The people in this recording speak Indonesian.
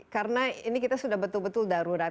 karena ini kita sudah betul betul darurat